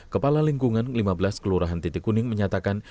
kepala lingkungan lima belas kelurahan titik kuning menyatakan